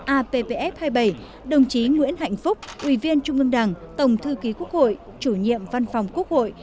appf hai mươi bảy đồng chí nguyễn hạnh phúc ủy viên trung ương đảng tổng thư ký quốc hội chủ nhiệm văn phòng quốc hội